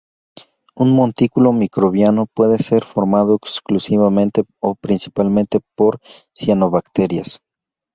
Un montículo microbiano puede ser formado exclusivamente o principalmente por cianobacterias.